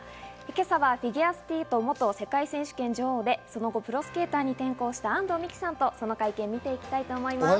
今朝はフィギュアスケート元世界選手権女王でその後、プロスケーターに転向した安藤美姫さんとその会見を見ていきたいと思います。